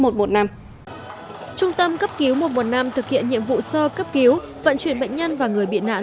trung tâm cấp cứu một trăm một mươi năm thực hiện nhiệm vụ sơ cấp cứu vận chuyển bệnh nhân và người bị nạn